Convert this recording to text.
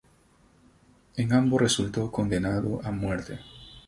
En ambos resultó condenado a muerte.